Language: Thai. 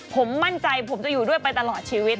ผมมั่นใจผมจะอยู่ด้วยไปตลอดชีวิต